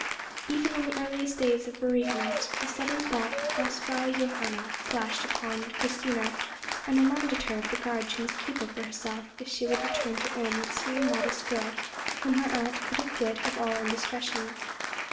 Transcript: Even on the earliest day of bereavement, a sudden thought of Hausfrau Johanna flashed upon Christina, and reminded her of the guard she must keep over herself if she would return to Ulm the same modest girl whom her aunt could acquit of all indiscretion.